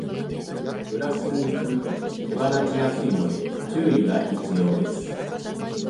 ブラッシングすると毛羽立ちやすいので、注意が必要です。